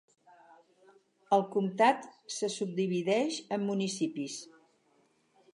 El comtat se subdivideix en municipis.